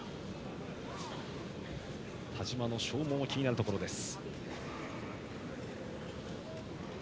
田嶋の消耗も気になるところです。